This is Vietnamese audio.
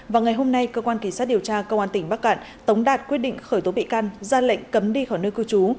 vào ngày hôm nay cơ quan kỳ sát điều tra công an tỉnh bắc cạn tống đạt quyết định khởi tố bị can ra lệnh cấm đi khỏi nơi cư trú